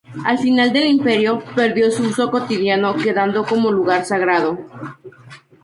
Al final del Imperio perdió su uso cotidiano quedando como lugar sagrado.